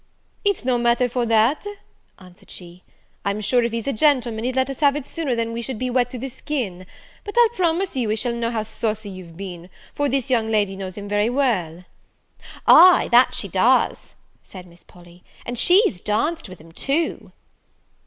"It's no matter for that," answered she; "I'm sure if he's a gentleman, he'd let us have it sooner than we should be wet to the skin; but I'll promise you he shall know how saucy you've been, for this young lady knows him very well." "Ay, that she does," said Miss Polly; "and she's danced with him too."